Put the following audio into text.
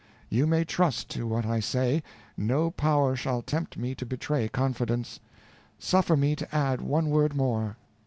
_ You may trust to what I say, no power shall tempt me to betray confidence. Suffer me to add one word more.